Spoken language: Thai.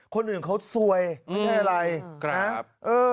ครับ